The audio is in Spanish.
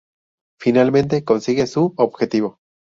Finalmente consigue su objetivo.